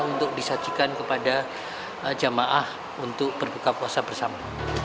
untuk disajikan kepada jamaah untuk berbuka puasa bersama